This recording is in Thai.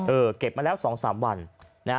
เออเก็บมาแล้ว๒๓วัน